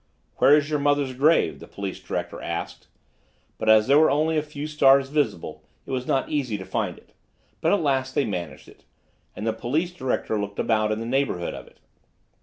"Where is your mother's grave?" the police director asked; but as there were only a few stars visible, it was not easy to find it, but at last they managed it, and the police director looked about in the neighborhood of it.